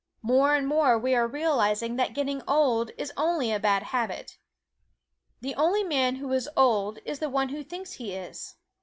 More and more we are realizing that getting old is only a bad habit. The only man who is old is the one who thinks he is.